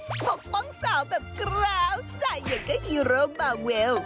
ปกป้องสาวแบบกร้าวใจอย่างก็ฮีโร่มาเวล